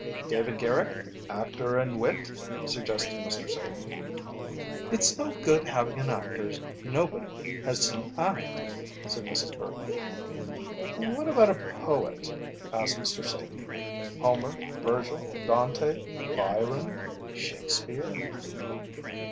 "David Garrick, actor and wit?" suggested Mr. Satan. "It's no good having an actor nobody has seen act," said Mrs. Bergmann. "What about a poet?" asked Mr. Satan, "Homer, Virgil, Dante, Byron, Shakespeare?"